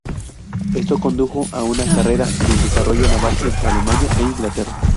Esto condujo a una carrera en el desarrollo naval entre Alemania e Inglaterra.